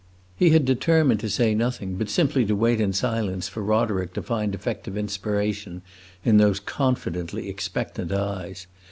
He had determined to say nothing, but simply to wait in silence for Roderick to find effective inspiration in those confidently expectant eyes.